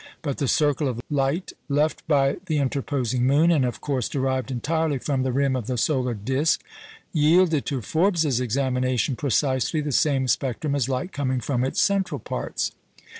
But the circle of light left by the interposing moon, and of course derived entirely from the rim of the solar disc, yielded to Forbes's examination precisely the same spectrum as light coming from its central parts.